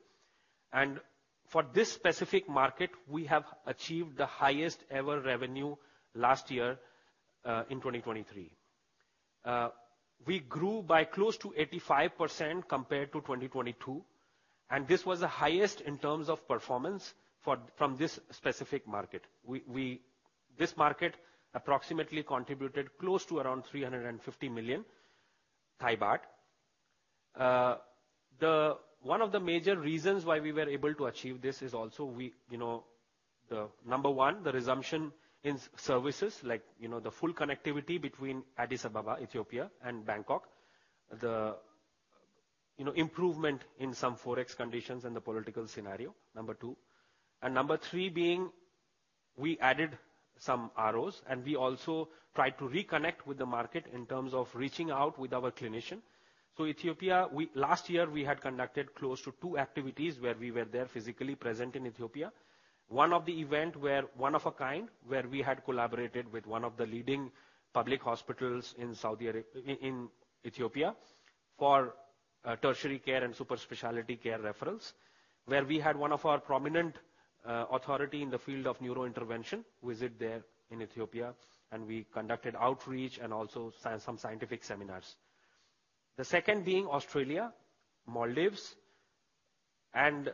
and for this specific market, we have achieved the highest-ever revenue last year in 2023. We grew by close to 85% compared to 2022, and this was the highest in terms of performance from this specific market. This market approximately contributed close to around 350 million baht. One of the major reasons why we were able to achieve this is also number one, the resumption in services like the full connectivity between Addis Ababa, Ethiopia, and Bangkok, the improvement in some forex conditions and the political scenario, number two. And number three being, we added some ROs, and we also tried to reconnect with the market in terms of reaching out with our clinician. So Ethiopia, last year, we had conducted close to two activities where we were there physically present in Ethiopia. One of the events, one of a kind, where we had collaborated with one of the leading public hospitals in Ethiopia for tertiary care and super specialty care referrals, where we had one of our prominent authorities in the field of neurointervention visit there in Ethiopia, and we conducted outreach and also some scientific seminars. The second being Australia, Maldives, and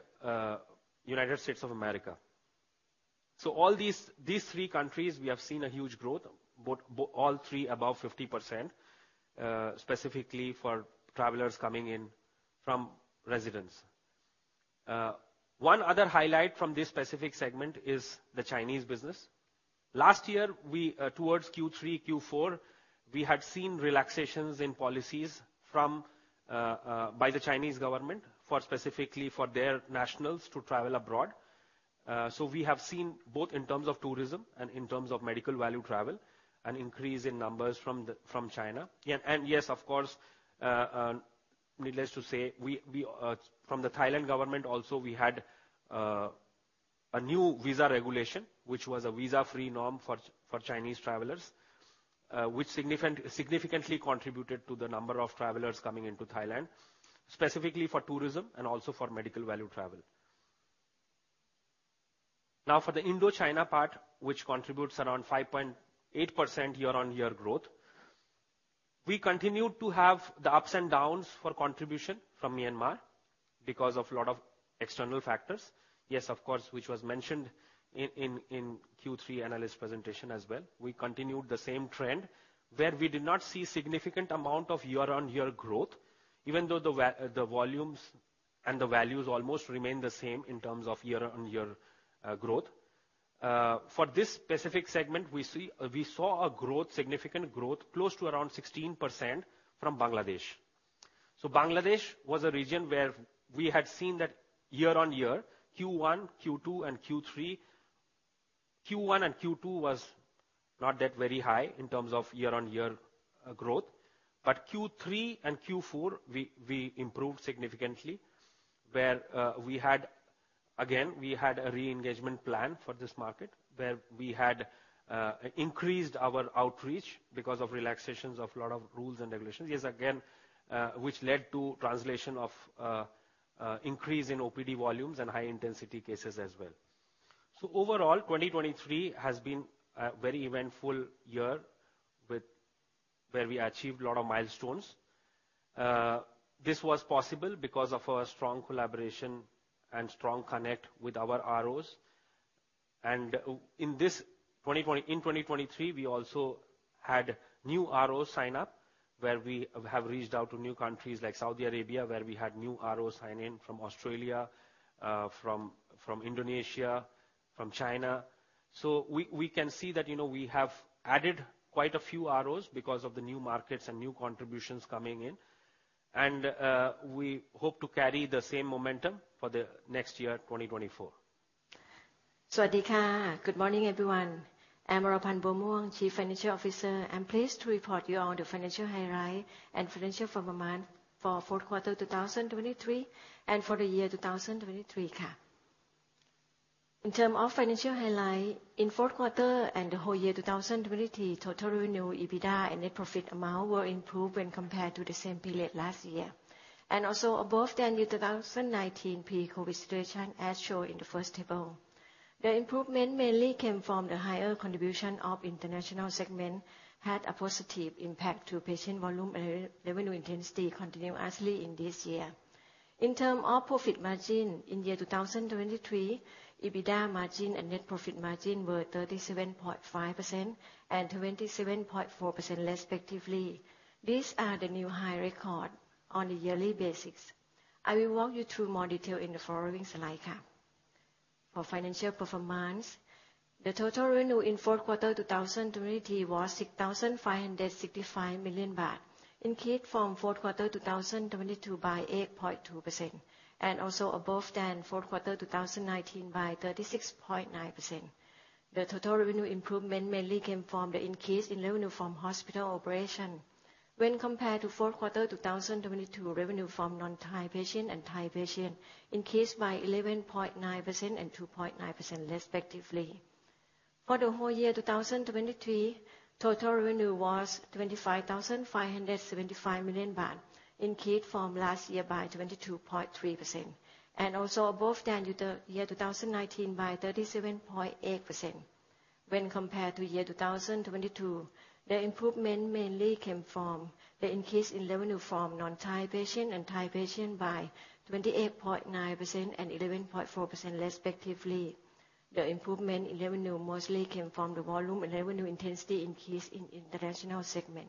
United States of America. So all these three countries, we have seen a huge growth, all three above 50%, specifically for travelers coming in from residents. One other highlight from this specific segment is the Chinese business. Last year, towards Q3, Q4, we had seen relaxations in policies by the Chinese government specifically for their nationals to travel abroad. So we have seen both in terms of tourism and in terms of medical-value travel an increase in numbers from China. Yes, of course, needless to say, from the Thailand government also, we had a new visa regulation, which was a visa-free norm for Chinese travelers, which significantly contributed to the number of travelers coming into Thailand, specifically for tourism and also for medical-value travel. Now, for the Indochina part, which contributes around 5.8% year-on-year growth, we continued to have the ups and downs for contribution from Myanmar because of a lot of external factors. Yes, of course, which was mentioned in Q3 analyst presentation as well. We continued the same trend where we did not see a significant amount of year-on-year growth, even though the volumes and the values almost remain the same in terms of year-on-year growth. For this specific segment, we saw a significant growth close to around 16% from Bangladesh. So Bangladesh was a region where we had seen that year-on-year, Q1, Q2, and Q3 Q1 and Q2 was not that very high in terms of year-on-year growth, but Q3 and Q4, we improved significantly where we had again, we had a re-engagement plan for this market where we had increased our outreach because of relaxations of a lot of rules and regulations, yes, again, which led to translation of increase in OPD volumes and high-intensity cases as well. So overall, 2023 has been a very eventful year where we achieved a lot of milestones. This was possible because of our strong collaboration and strong connect with our ROs. And in 2023, we also had new ROs sign up where we have reached out to new countries like Saudi Arabia, where we had new ROs sign in from Australia, from Indonesia, from China. We can see that we have added quite a few ROs because of the new markets and new contributions coming in, and we hope to carry the same momentum for the next year, 2024. สวัสดีค่ะ Good morning, everyone. I'm Oraphan Buamuang, Chief Financial Officer. I'm pleased to report to you all the financial highlights and financial performance for fourth quarter 2023 and for the year 2023, ka. In terms of financial highlights, in fourth quarter and the whole year 2023, total revenue, EBITDA, and net profit amount were improved when compared to the same period last year and also above the end of 2019 pre-COVID situation as shown in the first table. The improvement mainly came from the higher contribution of the international segment had a positive impact to patient volume and revenue intensity continuously in this year. In terms of profit margin, in year 2023, EBITDA margin and net profit margin were 37.5% and 27.4% respectively. These are the new high records on a yearly basis. I will walk you through more detail in the following slide, ka. For financial performance, the total revenue in fourth quarter 2023 was 6,565 million baht, increased from fourth quarter 2022 by 8.2% and also above than fourth quarter 2019 by 36.9%. The total revenue improvement mainly came from the increase in revenue from hospital operation when compared to fourth quarter 2022 revenue from non-Thai patients and Thai patients, increased by 11.9% and 2.9% respectively. For the whole year 2023, total revenue was 25,575 million baht, increased from last year by 22.3% and also above than year 2019 by 37.8%. When compared to year 2022, the improvement mainly came from the increase in revenue from non-Thai patients and Thai patients by 28.9% and 11.4% respectively. The improvement in revenue mostly came from the volume and revenue intensity increase in the international segment.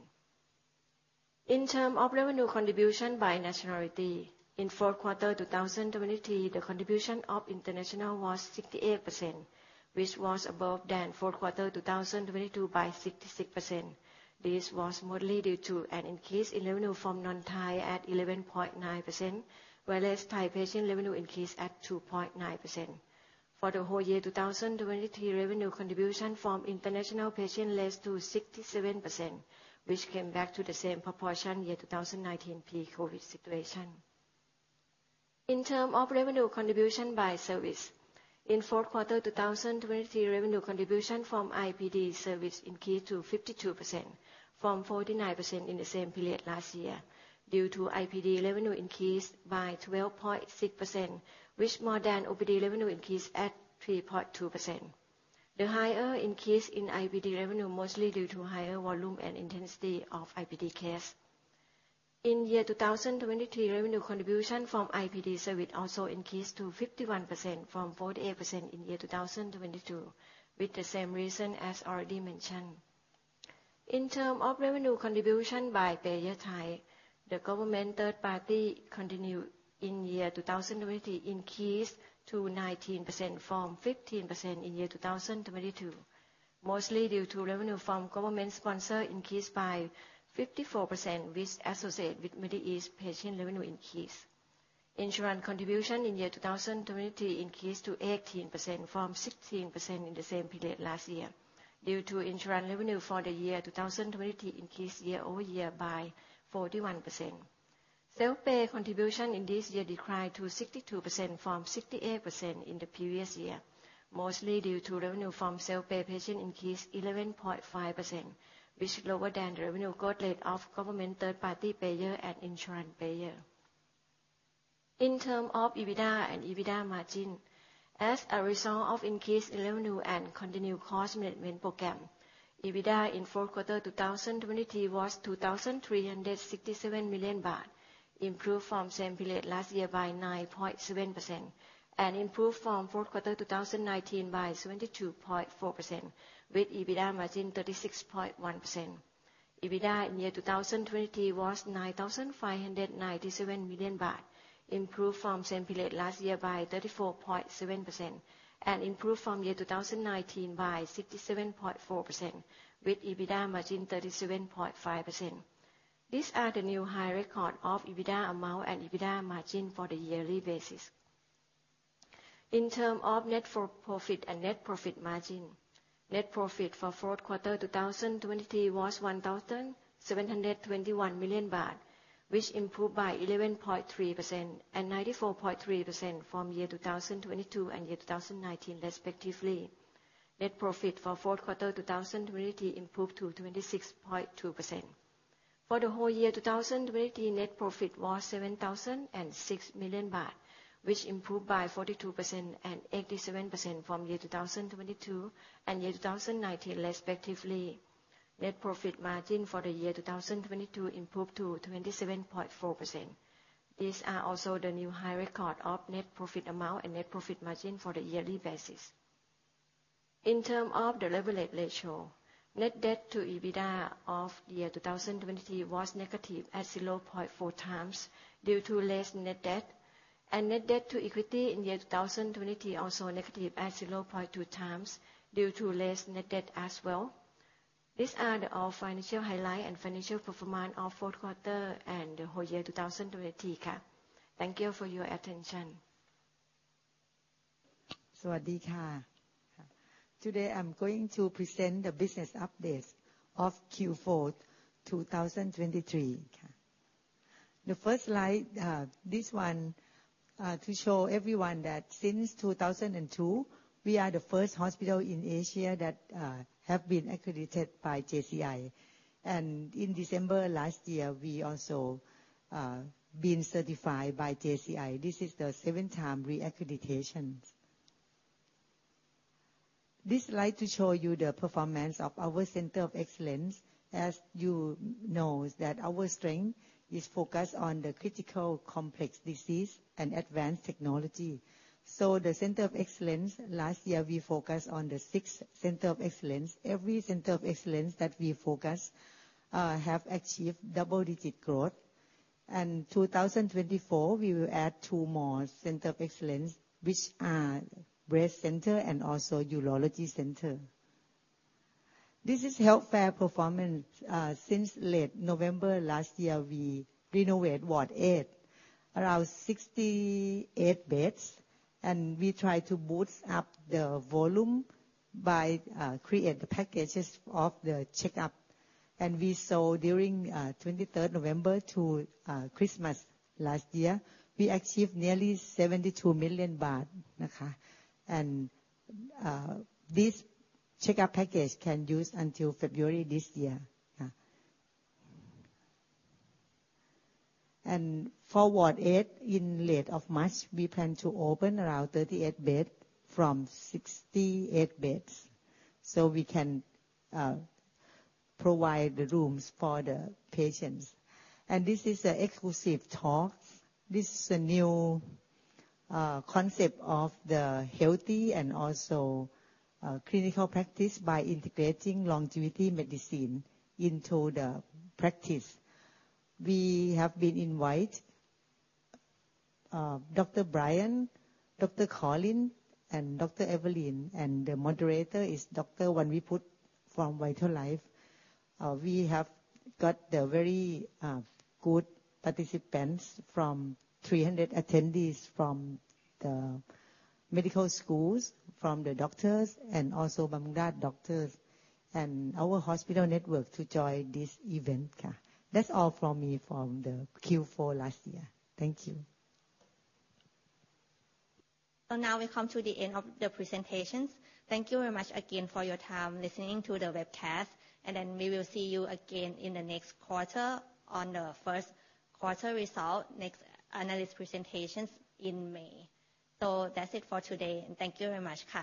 In terms of revenue contribution by nationality, in fourth quarter 2023, the contribution of international was 68%, which was above than fourth quarter 2022 by 66%. This was mostly due to an increase in revenue from non-Thai at 11.9% whereas Thai patient revenue increased at 2.9%. For the whole year 2023, revenue contribution from international patients less to 67%, which came back to the same proportion year 2019 pre-COVID situation. In terms of revenue contribution by service, in fourth quarter 2023, revenue contribution from IPD service increased to 52% from 49% in the same period last year due to IPD revenue increase by 12.6%, which is more than OPD revenue increase at 3.2%. The higher increase in IPD revenue mostly due to higher volume and intensity of IPD cases. In year 2023, revenue contribution from IPD service also increased to 51% from 48% in year 2022 with the same reason as already mentioned. In terms of revenue contribution by payer type, the government third party continued in year 2023 increased to 19% from 15% in year 2022 mostly due to revenue from government sponsor increased by 54% which associated with Middle East patient revenue increase. Insurance contribution in year 2023 increased to 18% from 16% in the same period last year due to insurance revenue for the year 2023 increased year-over-year by 41%. Self-pay contribution in this year declined to 62% from 68% in the previous year mostly due to revenue from self-pay patient increased 11.5% which is lower than the revenue growth rate of government third party payer and insurance payer. In terms of EBITDA and EBITDA margin, as a result of increased revenue and continued cost management program, EBITDA in fourth quarter 2023 was 2,367 million baht improved from same period last year by 9.7% and improved from fourth quarter 2019 by 72.4% with EBITDA margin 36.1%. EBITDA in year 2023 was 9,597 million baht improved from same period last year by 34.7% and improved from year 2019 by 67.4% with EBITDA margin 37.5%. These are the new high records of EBITDA amount and EBITDA margin for the yearly basis. In terms of net profit and net profit margin, net profit for fourth quarter 2023 was 1,721 million baht which improved by 11.3% and 94.3% from year 2022 and year 2019 respectively. Net profit for fourth quarter 2023 improved to 26.2%. For the whole year 2023, net profit was 7,006 million baht which improved by 42% and 87% from year 2022 and year 2019 respectively. Net profit margin for the year 2022 improved to 27.4%. These are also the new high records of net profit amount and net profit margin for the yearly basis. In terms of the leverage ratio, net debt to EBITDA of year 2023 was negative at 0.4x due to less net debt, and net debt to equity in year 2023 also negative at 0.2x due to less net debt as well. These are all financial highlights and financial performance of fourth quarter and the whole year 2023, ka. Thank you for your attention. Swadee khap. Today I'm going to present the business updates of Q4 2023. The first slide, this one to show everyone that since 2002, we are the first hospital in Asia that has been accredited by JCI. In December last year, we also been certified by JCI. This is the seventh time re-accreditation. This slide to show you the performance of our Center of Excellence. As you know, our strength is focused on the critical complex disease and advanced technology. The Center of Excellence, last year we focused on the six Center of Excellence. Every Center of Excellence that we focused has achieved double-digit growth. 2024, we will add two more Center of Excellence, which are Breast Center and also Urology Center. This is healthcare performance. Since late November last year, we renovated Ward 8, around 68 beds, and we tried to boost up the volume by creating the packages of the check-up. And we saw during 23rd November to Christmas last year, we achieved nearly 72 million baht, and this check-up package can be used until February this year. And for Ward 8, in late March, we plan to open around 38 beds from 68 beds so we can provide the rooms for the patients. And this is an exclusive talk. This is a new concept of the healthy and also clinical practice by integrating longevity medicine into the practice. We have been invited by Dr. Brian, Dr. Collin, and Dr. Evelyne, and the moderator is Dr. Wanviput from VitalLife. We have got very good participants from 300 attendees from the medical schools, from the doctors, and also Bumrungrad doctors, and our hospital network to join this event, ka. That's all from me for the Q4 last year. Thank you. So now we come to the end of the presentations. Thank you very much again for your time listening to the webcast, and then we will see you again in the next quarter on the first quarter result, next analyst presentations in May. So that's it for today, and thank you very much.